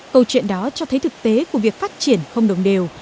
câu chuyện đó cho thấy thực tế của việc phát triển không đồng đều